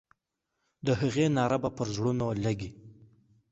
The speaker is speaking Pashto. د هغې ناره به پر زړونو لګي.